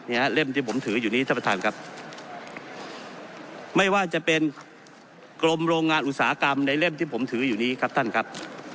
เล่มที่ผมถืออยู่นี้ท่านประธานครับไม่ว่าจะเป็นกรมโรงงานอุตสาหกรรมในเล่มที่ผมถืออยู่นี้ครับท่านครับ